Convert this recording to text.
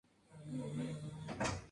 Sombrero apuntado y botas de charol.